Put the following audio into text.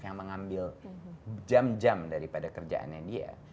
yang mengambil jam jam daripada kerjaannya dia